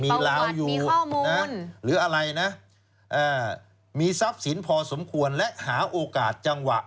มีลาวอยู่นะหรืออะไรนะมีทรัพย์สินพอสมควรและหาโอกาสจังหวะ